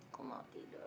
kok mau tidur